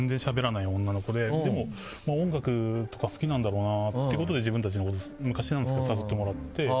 でも音楽とか好きなんだろうなってことで自分たちのこと昔なんですけど誘ってもらって。